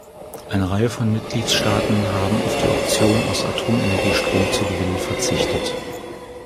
Eine Reihe von Mitgliedstaaten haben auf die Option, aus Atomenergie Strom zu gewinnen, verzichtet.